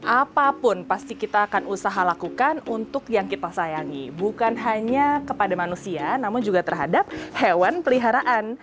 apapun pasti kita akan usaha lakukan untuk yang kita sayangi bukan hanya kepada manusia namun juga terhadap hewan peliharaan